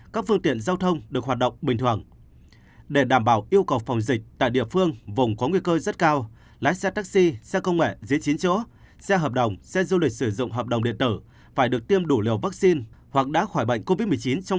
cấp bốn là nhóm nguy cơ cao tương ứng với màu cam